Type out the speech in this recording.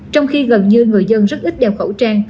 trong khi gần như người dân rất ít đeo khẩu trang